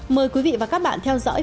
mời quý vị và các bạn theo dõi